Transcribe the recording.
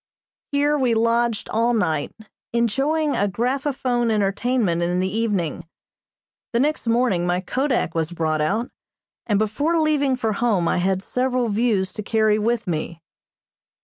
Here we lodged all night, enjoying a graphophone entertainment in the evening. The next morning my kodak was brought out, and before leaving for home I had several views to carry with me.